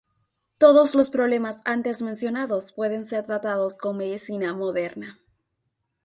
Todos los problemas antes mencionados pueden ser tratados con medicina moderna.